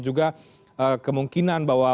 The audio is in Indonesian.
juga kemungkinan bahwa